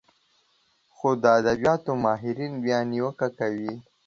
خو د ادبياتو ماهرين بيا نيوکه کوي